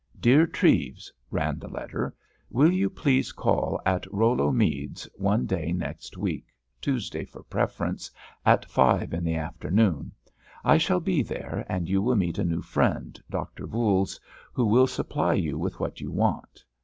"DEAR TREVES," ran the letter—"_Will you please call at Rollo Meads one day next week, Tuesday for preference, at five in the afternoon? I shall be there, and you will meet a new friend, Doctor Voules, who will supply you with what you want.